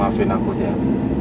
maafin aku tiana